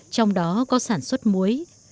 trong đó có sản xuất muối